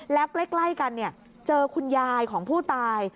แล้วใกล้กันเจอคุณยายของผู้ตาย